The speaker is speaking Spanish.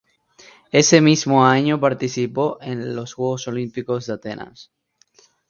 Ese mismo año participó en los Juegos Olímpicos de Atenas.